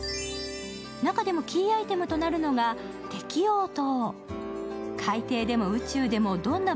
中でもキーアイテムとなるのがテキオー灯。